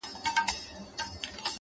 خپل ذهن د شک زندان مه جوړوئ؛